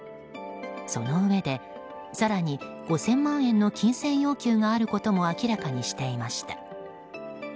そのうえで、更に５０００万円の金銭要求があることも明らかにしていました。